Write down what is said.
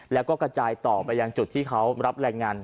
แล้วก็กระจายต่อไปยังจุดที่เขารับแรงงาน